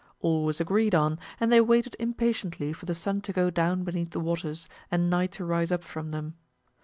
All was agreed on, and they waited impatiently for the sun to go down beneath the waters and night to rise up from them.